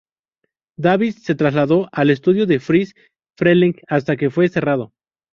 Davis se trasladó al estudio de Friz Freleng hasta que fue cerrado.